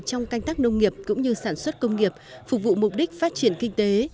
trong canh tác nông nghiệp cũng như sản xuất công nghiệp phục vụ mục đích phát triển kinh tế